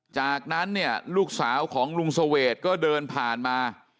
จากนั้นเนี่ยลูกสาวของลุงเสวดก็เดินผ่านมา